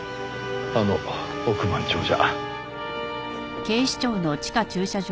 あの億万長者。